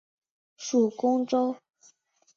属恭州。